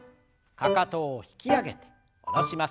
かかとを引き上げて下ろします。